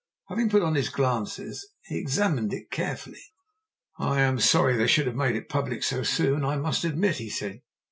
Having put on his glasses he examined it carefully. "I am sorry they should have made it public so soon, I must admit," he said.